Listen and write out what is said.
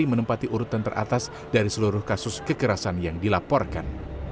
menempati urutan teratas dari seluruh kasus kekerasan yang dilaporkan